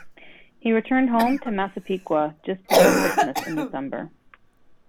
He returned home to Massapequa just before Christmas in December.